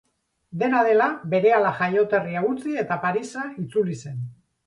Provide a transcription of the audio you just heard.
Dena dela, berehala jaioterria utzi eta Parisa itzuli zen.